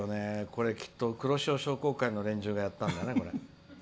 これ、きっとくろしお商工会の連中がやったんだね。